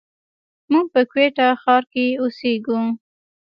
موږ په کوټه ښار کښي اوسېږي.